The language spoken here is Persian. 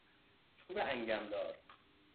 چوب انگمدار